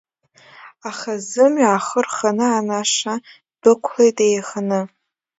Аха зымҩа ахы рханы, анаша дәықәлеит еиханы.